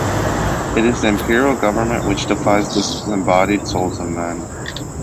It is the imperial government which deifies disembodied souls of men.